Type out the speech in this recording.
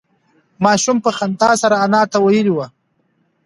ماشوم په خندا سره انا ته وویل نه.